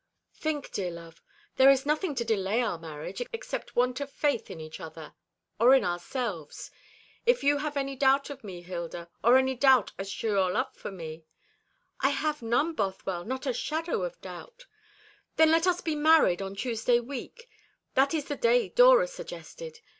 "Think, dear love, there is nothing to delay our marriage, except want of faith in each other, or in ourselves. If you have any doubt of me, Hilda, or any doubt as to your own love for me " "I have none, Bothwell not a shadow of doubt." "Then let us be married on Tuesday week. That is the day Dora suggested.